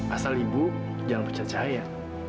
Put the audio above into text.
asal ibu jangan pecat cahaya